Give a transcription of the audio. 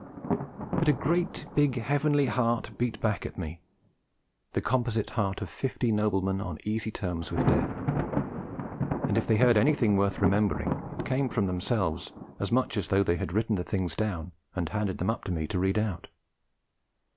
But a great, big, heavenly heart beat back at me, the composite heart of fifty noblemen on easy terms with Death; and if they heard anything worth remembering, it came from themselves as much as though they had written the things down and handed them up to me to read out.